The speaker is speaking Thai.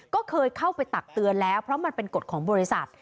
ก็เคยเข้าไปตักเตือนแล้วเพราะมันเป็นกฎของบริษัท